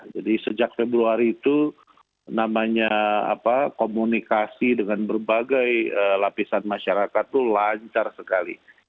jadi sejak februari itu namanya komunikasi dengan berbagai lapisan masyarakat itu lancar sekali